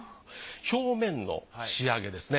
表面の仕上げですね。